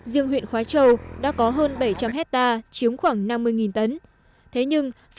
riêng huyện khói châu đã có hơn bảy trăm linh hectare chiếm khoảng năm mươi tấn